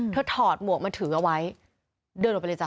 ถอดหมวกมาถือเอาไว้เดินออกไปเลยจ้